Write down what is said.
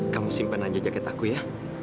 kamu simpan aja jaket aku ya